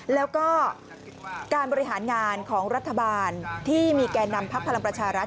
แล้วก็การบริหารงานของรัฐบาลที่มีแก่นำพักพลังประชารัฐ